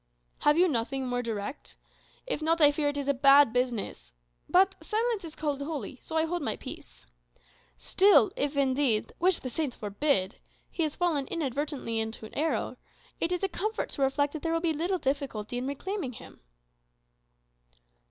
"Have you nothing more direct? If not, I fear it is a bad business. But 'silence is called holy,' so I hold my peace. Still, if indeed (which the Saints forbid) he has fallen inadvertently into error, it is a comfort to reflect that there will be little difficulty in reclaiming him."